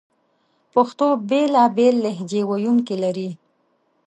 پښتو بېلابېل لهجې ویونکې لري